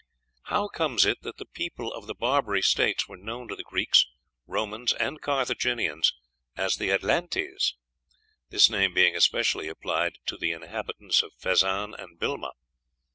How comes it that the people of the Barbary States were known to the Greeks, Romans, and Carthaginians as the "Atlantes," this name being especially applied to the inhabitants of Fezzan and Bilma?